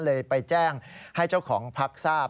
เลยไปแจ้งให้เจ้าของพักทราบ